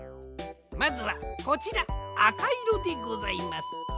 まずはこちらあかいろでございます。